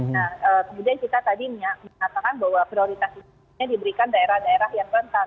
nah kemudian kita tadi mengatakan bahwa prioritas itu diberikan daerah daerah yang rentan